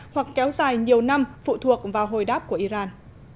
hoặc kéo dài nhiều năm phụ thuộc vào hồi đáp của iran